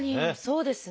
そうですね。